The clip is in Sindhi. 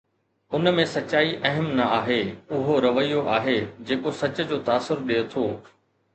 ان ۾ سچائي اهم نه آهي، اهو رويو آهي جيڪو سچ جو تاثر ڏئي ٿو.